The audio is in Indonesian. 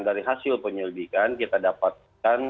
dari hasil penyelidikan kita dapatkan